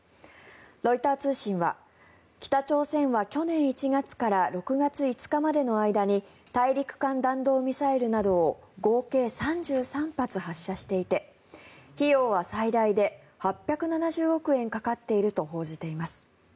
ロイター通信は、北朝鮮は去年１月から６月５日までの間に大陸間弾道ミサイルなどを合計３３発発射していて費用は最大で８７０億円かかっていると報じています。